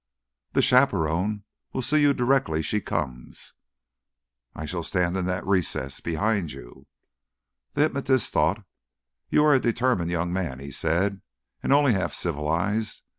"The chaperone will see you directly she comes " "I shall stand in that recess. Behind you." The hypnotist thought. "You are a determined young man," he said, "and only half civilised.